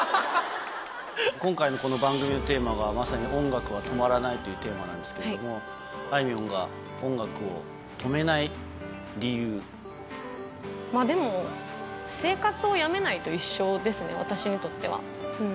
今回のこの番組のテーマが、まさに音楽は止まらないというテーマなんですけども、でも、生活をやめないと一緒ですね、私にとっては。